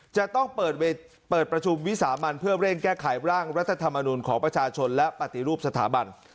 จะต้องเปิดประชุมวิสามันเพื่อเร่งแก้ไขร่างรัฐธรรมนุนของประชาชนและปฏิรูปสถาบัน